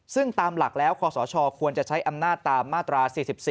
ซึ่งตามหลักแล้วคศควรจะใช้อำนาจตามมาตรา๔๔